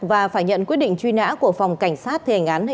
và phải nhận quyết định truy nã của phòng cảnh sát